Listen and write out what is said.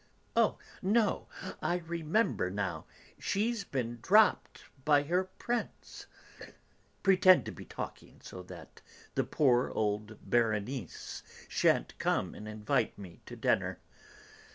Oh, no, I remember now, she's been dropped by her Prince... Pretend to be talking, so that the poor old Berenice sha'n't come and invite me to dinner.